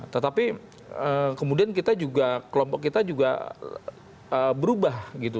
tetapi kemudian kita juga kelompok kita juga berubah gitu